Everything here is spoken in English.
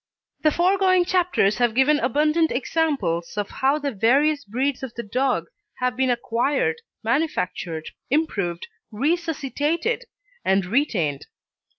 The foregoing chapters have given abundant examples of how the various breeds of the dog have been acquired, manufactured, improved, resuscitated, and retained.